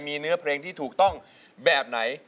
มีเนื้อเพลงที่ถูกต้องแบบไหน